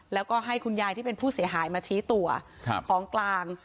แล้วก็ให้คุณยายที่เป็นผู้เสียหายมาชี้ตัวครับของกลาง